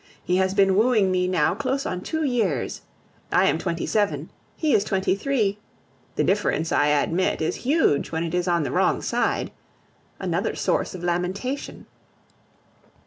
He has been wooing me now close on two years. I am twenty seven, he is twenty three. The difference, I admit, is huge when it is on the wrong side. Another source of lamentation!